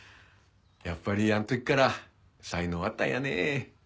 やっぱりあん時から才能あったんやね。